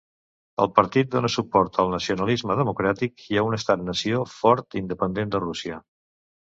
El partit dona suport al nacionalisme democràtic i a un estat nació fort independent de Rússia.